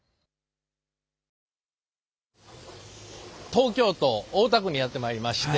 東京都大田区にやってまいりまして。